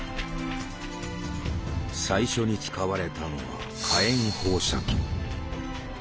最初に使われたのは火炎放射器。